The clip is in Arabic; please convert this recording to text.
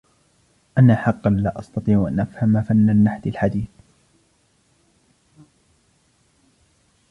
أنا حقا لا أستطيع أن أفهم فن النحت الحديث.